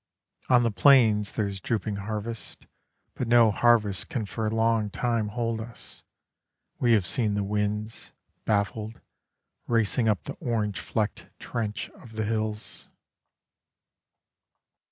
On the plains there is drooping harvest, But no harvest can for long time hold us, We have seen the winds, baffled, Racing up the orange flecked trench of the hills.